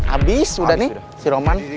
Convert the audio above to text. habis sudah nih si roman